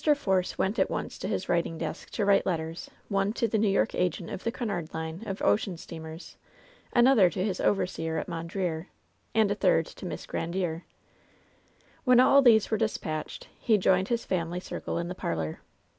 Fobce went at once to his writing desk to write letters — one to the New York agent of the Cunard lino of ocean steamers ; another to his overseer at Mondreer, and a third to Miss Grandiere. When all these were dispatched he joined his family circle in the parlor.